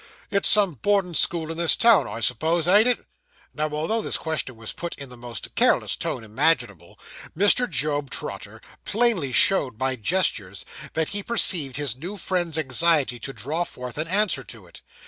'It's some boarding school in this town, I suppose, ain't it?' Now, although this question was put in the most careless tone imaginable, Mr. Job Trotter plainly showed by gestures that he perceived his new friend's anxiety to draw forth an answer to it.